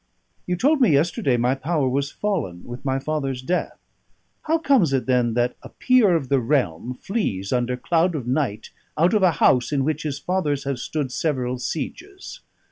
You told me yesterday my power was fallen with my father's death. How comes it, then, that a peer of the realm flees under cloud of night out of a house in which his fathers have stood several sieges?